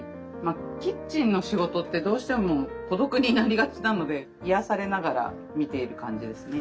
キッチンの仕事ってどうしても孤独になりがちなので癒やされながら見ている感じですね。